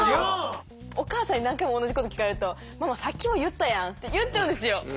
お母さんに何回も同じこと聞かれると「ママさっきも言ったやん」って言っちゃうんですよ。